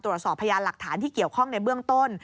ตรวจสอบพยานหลักฐานที่เกี่ยวข้องในเบื้องต้น